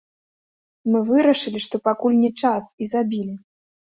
Мы вырашылі, што пакуль не час, і забілі.